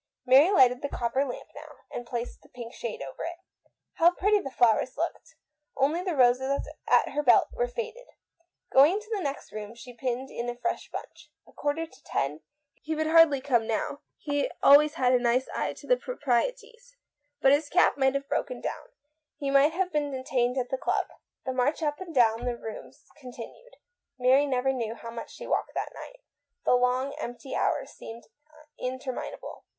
Mary lighted the copper lamp now, and placed the pink shade over it. How pretty the flowers looked! Only the roses at her belt were faded. She went into the next room and pinned in a fresh bunch. A quarter to ten! He would hardly come now; he always had a nice eye to the THE WOMAN WAITS. 159 proprieties. But his cab might have broken down ; he might have been detained at the club. The march up and down the room continued. Mary never knew how much she walked that night. The long, empty hours seemed interminable.